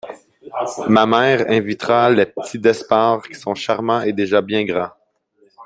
Ma mère invitera les petits d’Espard qui sont charmants et déjà bien grands.